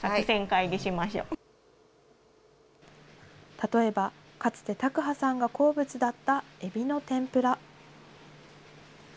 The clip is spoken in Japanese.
例えばかつて卓巴さんが好物だったエビの天ぷら。